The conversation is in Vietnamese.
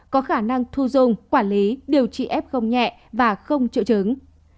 có khả năng thu dung quản lý điều trị ép không nhẹ và không triệu chứng